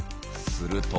すると。